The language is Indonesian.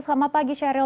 selamat pagi sheryl